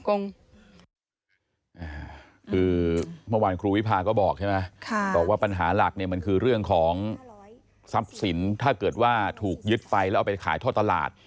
คือเมื่อวานครูวิพาก็บอกใช่ไหมบอกว่าปัญหาหลักเนี่ยมันคือเรื่องของทรัพย์สินถ้าเกิดว่าถูกยึดไปแล้วเอาไปขายท่อตลาด